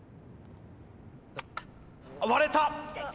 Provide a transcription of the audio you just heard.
割れた！